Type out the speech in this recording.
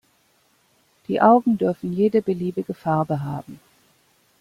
Die Augen dürfen jede beliebige Farbe haben.